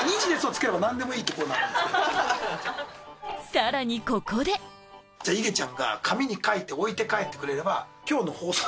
さらにここでいげちゃんが紙に書いて置いて帰ってくれれば。